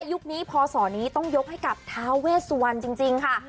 ยุคนี้พศนี้ต้องยกให้กับท้าเวสวันจริงค่ะ